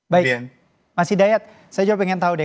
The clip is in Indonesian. baik mas hidayat saya juga pengen tahu deh